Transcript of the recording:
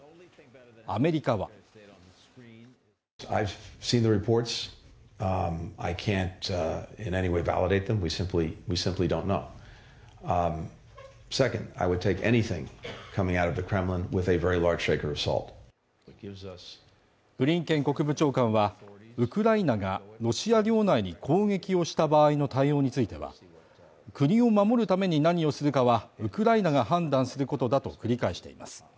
アメリカはブリンケン国務長官はウクライナがロシア領内に攻撃をした場合の対応については、国を守るために何をするかは、ウクライナが判断することだと繰り返しています。